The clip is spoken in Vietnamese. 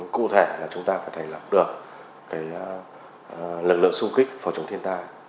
cụ thể là chúng ta phải thành lập được cái lực lượng xung kích phó chủng thiên tai